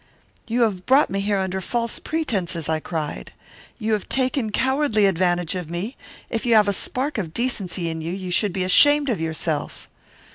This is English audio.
"'You have brought me here under false pretences,' I cried. 'You have taken cowardly advantage of me. If you have a spark of decency in you, you should be ashamed of yourself.'